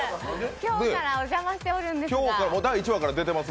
今日からお邪魔してるんですが。